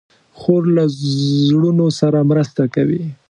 خور له زړونو سره مرسته کوي.